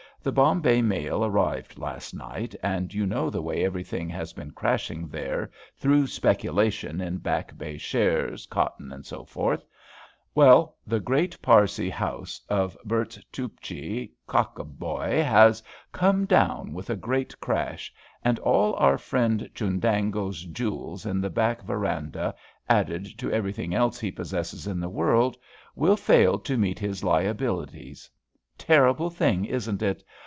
The Bombay mail arrived last night, and you know the way everything has been crashing there through speculations in Back Bay shares, cotton, &c. Well, the great Parsee house of Burstupjee Cockabhoy has come down with a grand crash, and all our friend Chundango's jewels in the back verandah, added to everything else he possesses in the world, will fail to meet his liabilities. Terrible thing, isn't it?